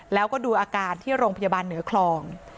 แล้วก็ดูอาการที่โรงพยาบาลเหนือคลอง